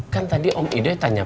kan tadi om ide tanya